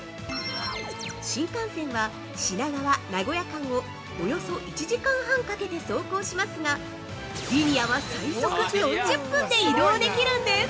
新幹線は品川−名古屋間をおよそ１時間半かけて走行しますがリニアは最速４０分で移動できるんです。